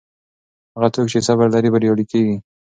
هغه څوک چې صبر لري بریالی کیږي.